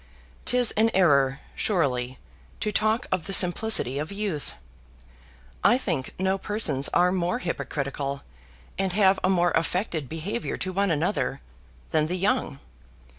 'Tis an error, surely, to talk of the simplicity of youth. I think no persons are more hypocritical, and have a more affected behavior to one another, than the young.